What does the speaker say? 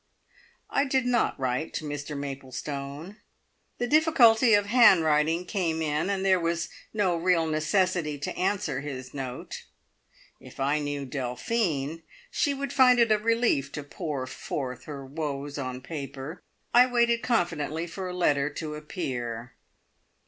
I did not write to Mr Maplestone. The difficulty of handwriting came in, and there was no real necessity to answer his note. If I knew Delphine, she would find it a relief to pour forth her woes on paper. I waited confidently for a letter to appear.